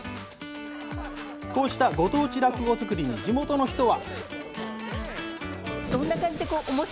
こうしたご当地落語づくりに地元の人は。